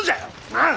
ああ！